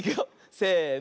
せの。